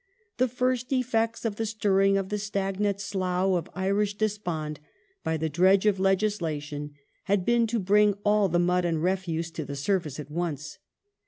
" The first effects of the stirring of the stagnant slough of Irish despond by the dredge of legislation had been to bring all the mud and i efuse to the surface at once."